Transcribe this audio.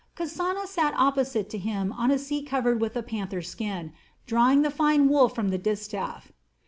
Kasana sat opposite to him on a seat covered with a panther skin, drawing the fine wool from the distaff.